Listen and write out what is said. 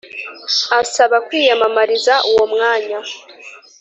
asaba kwiyamamariza uwo mwanya